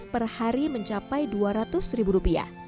per hari mencapai rp dua ratus ribu